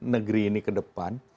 negeri ini ke depan